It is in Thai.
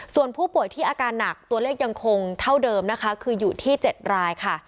ส่วนผู้ป่วยที่อาการหนักตัวเลขยังคงเท่าเดิมนะคะคืออยู่ที่๗รายค่ะ